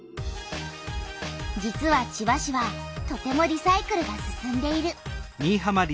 実は千葉市はとてもリサイクルが進んでいる。